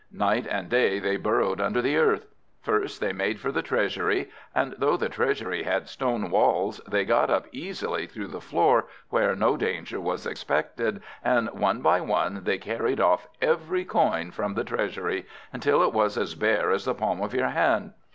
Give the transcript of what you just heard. Night and day they burrowed under the earth. First they made for the treasury; and though the treasury had stone walls, they got up easily through the floor, where no danger was expected, and one by one they carried off every coin from the treasury, until it was as bare as the palm of your hand.